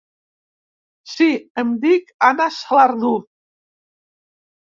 Sí, em dic Anna Salardú.